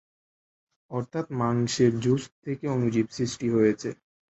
অর্থাৎ মাংসের জুস থেকে অণুজীব সৃষ্টি হয়েছে।